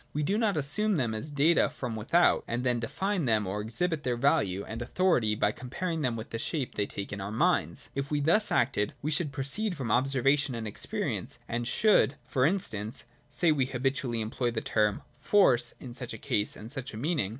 We do not assume them as data from without, and then define them or exhibit their value and authority by comparing them with the shape they take in our minds. If we thus acted, we should pro ceed from observation and experience, and should, for instance, say we habitually employ the term ' force ' in such a case, and such a meaning.